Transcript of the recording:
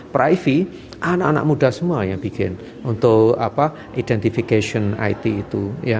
privy anak anak muda semua yang bikin untuk identifikasi it itu